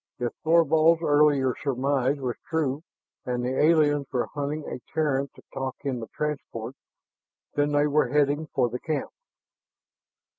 If Thorvald's earlier surmise was true and the aliens were hunting a Terran to talk in the transport, then they were heading for the camp.